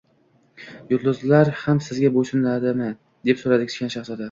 Yulduzlar ham sizga bo‘ysunadimi? — deb so‘radi Kichkina shahzoda.